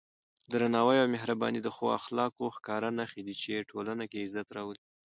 درناوی او مهرباني د ښو اخلاقو ښکاره نښې دي چې ټولنه کې عزت راولي.